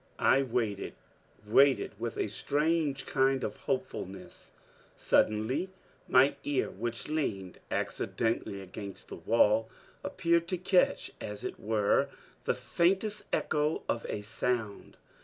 I waited, waited with a strange kind of hopefulness. Suddenly my ear, which leaned accidentally against the wall, appeared to catch, as it were, the faintest echo of a sound.